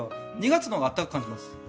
２月のほうが暖かく感じます。